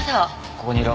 ここにいろ。